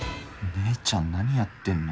姉ちゃん何やってんの？